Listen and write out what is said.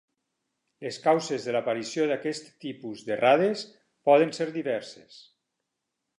Les causes de l'aparició d'aquest tipus d'errades poden ser diverses.